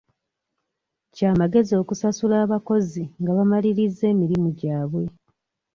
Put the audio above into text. Kya magezi okusasula abakozi nga bamalirizza emirimu gyabwe.